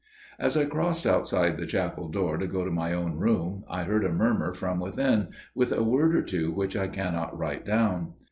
As I crossed outside the chapel door to go to my own room I heard a murmur from within, with a word or two which I cannot write down.